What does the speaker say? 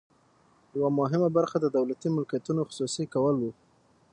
یوه مهمه برخه د دولتي ملکیتونو خصوصي کول وو.